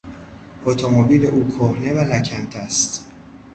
اتومبیل او کهنه و لکنته است.